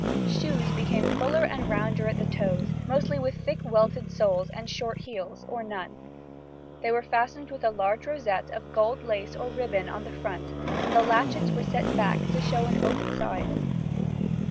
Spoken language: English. Shoes became fuller and rounder at the toes, mostly with thick welted soles and short heels, or none. They were fastened with a large rosette of gold lace or ribbon on the front, and the latchets were set back to show an open side.